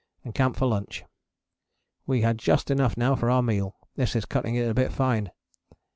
and camped for lunch. We had just enough now for our meal; this is cutting it a bit fine.